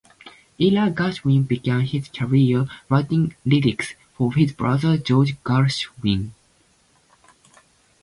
Ira Gershwin began his career writing lyrics for his brother George Gershwin.